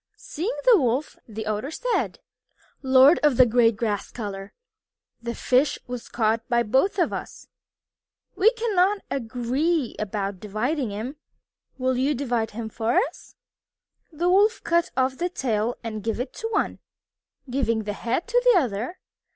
Seeing the Wolf, the Otters said: "Lord of the gray grass color, this fish was caught by both of us together. We cannot agree about dividing him. Will you divide him for us?" The Wolf cut off the tail and gave it to one, giving the head to the other.